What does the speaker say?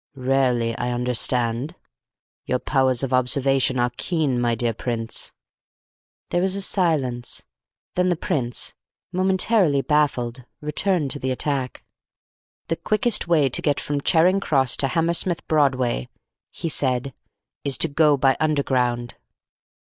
"Rarely, I understand. Your powers of observation are keen, my dear Prince." There was a silence; then the Prince, momentarily baffled, returned to the attack. "The quickest way to get from Charing Cross to Hammersmith Broadway," he said, "is to go by Underground."